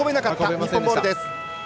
日本ボールです。